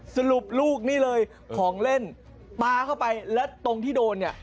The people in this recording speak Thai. สรุปลูกนี่เลยของเล่นปลาเข้าไปแล้วตรงที่โดนเนี่ย